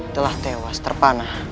telah tewas terpanah